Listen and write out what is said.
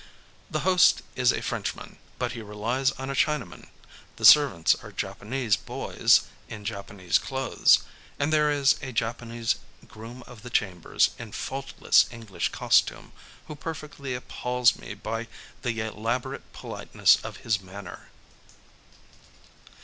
The host is a Frenchman, but he relies on a Chinaman; the servants are Japanese "boys" in Japanese clothes; and there is a Japanese "groom of the chambers" in faultless English costume, who perfectly appals me by the elaborate politeness of his manner.